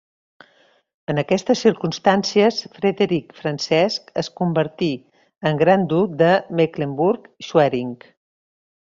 En aquestes circumstàncies, Frederic Francesc es convertí en gran duc de Mecklenburg-Schwerin.